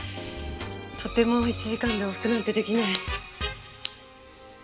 とても１時間で往復なんて出来ない。